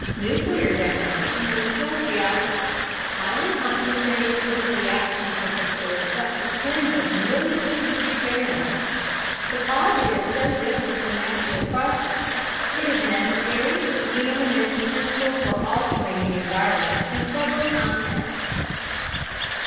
Nuclear detonations are just the opposite highly concentrated with reaction temperatures up to tens of millions of degrees Fahrenheit. Because they are so different from natural processes, it is necessary to examine their potential for altering the environment in several contexts.